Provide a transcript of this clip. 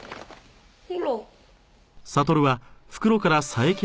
ほら。